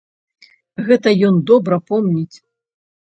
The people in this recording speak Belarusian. Гэта ён добра помніць.